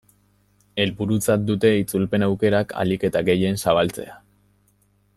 Helburutzat dute itzulpen aukerak ahalik eta gehien zabaltzea.